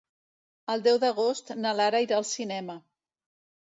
El deu d'agost na Lara irà al cinema.